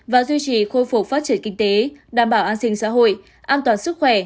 và duy trì khôi phục phát triển kinh tế đảm bảo an sinh xã hội an toàn sức khỏe